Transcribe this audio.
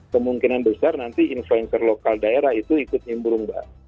kemungkinan besar nanti influencer lokal daerah itu ikut nyemburu mbak